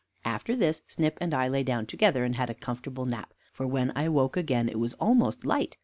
After this, Snip and I lay down together, and had a comfortable nap; for when I awoke again it was almost light.